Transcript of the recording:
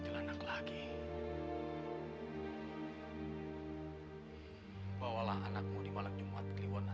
saya mengumpulkan ini kepada anda